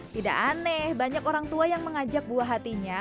tidak aneh banyak orang tua yang mengajak buah hatinya